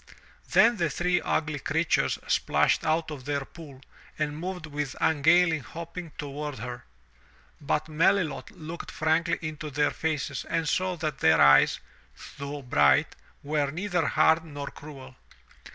Then the three ugly creatures splashed out of their pool and moved with ungainly hopping toward her. But Melilot looked frankly into their faces and saw that their eyes, though bright, were neither hard nor cruel.